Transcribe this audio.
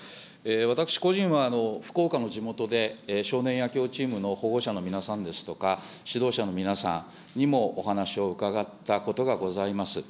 私個人は福岡の地元で少年野球チームの保護者の皆さんですとか、指導者の皆さんにもお話を伺ったことがございます。